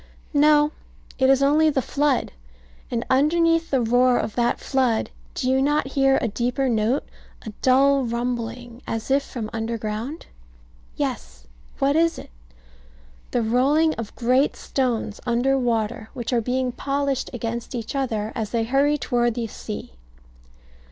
No. It is only the flood. And underneath the roar of that flood, do you not hear a deeper note a dull rumbling, as if from underground? Yes. What is it? The rolling of great stones under water, which are being polished against each other, as they hurry toward the sea.